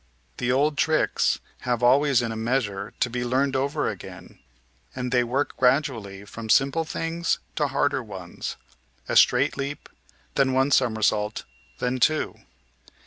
The old tricks have always in a measure to be learned over again, and they work gradually from simple things to harder ones a straight leap, then one somersault, then two.